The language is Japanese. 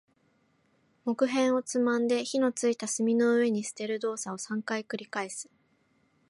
木片をつまんで、火の付いた炭の上に捨てる動作を三回繰り返す。